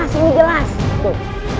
aku denger jelas ini jelas